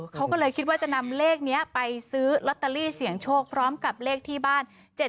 เขาก็เลยคิดว่าจะนำเลขนี้ไปซื้อลอตเตอรี่เสี่ยงโชคพร้อมกับเลขที่บ้าน๗๗